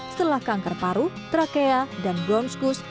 setelah kanker paru trachea dan bronchus